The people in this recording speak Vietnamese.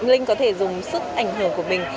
linh có thể dùng sức ảnh hưởng của mình